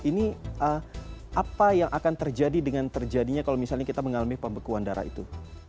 ini apa yang akan terjadi dengan terjadinya kalau misalnya kita mengalami pembekuan darah itu